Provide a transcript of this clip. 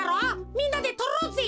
みんなでとろうぜ。